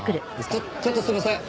ちょちょっとすいません。